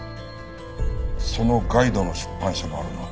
そのガイドの出版社もあるな。